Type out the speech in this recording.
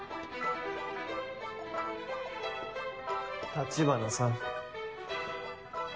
橘さん。